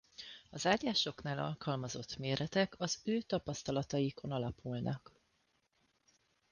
Az ágyásoknál alkalmazott méretek az ő tapasztalataikon alapulnak.